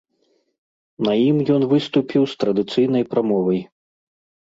На ім ён выступіў з традыцыйнай прамовай.